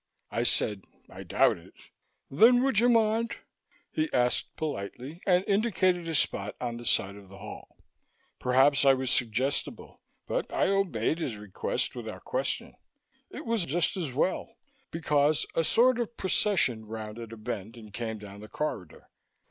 I said, "I doubt it." "Then would you mind?" he asked politely, and indicated a spot on the side of the hall. Perhaps I was suggestible, but I obeyed his request without question. It was just as well, because a sort of procession rounded a bend and came down the corridor.